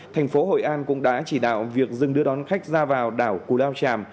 thành phố hội an cũng đã chỉ đạo việc dừng đưa đón khách ra vào đảo cù lao tràm